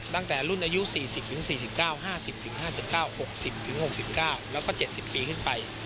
ตั้งแต่รุ่นอายุ๔๐๔๙๕๐๕๙๖๐๖๙แล้วก็๗๐ปีขึ้นไป